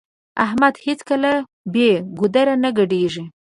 احمد هيڅکله بې ګودره نه ګډېږي.